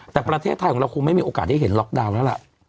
แต่ประเทศไทยของเราคงไม่มีโอกาสได้เห็นล็อกดาวน์แล้วล่ะ